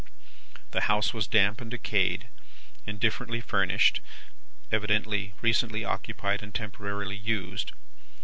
The house was damp and decayed, indifferently furnished evidently, recently occupied and temporarily used.